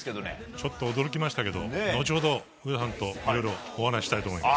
ちょっと驚きましたけど後ほど、上田さんとお話ししたいと思います。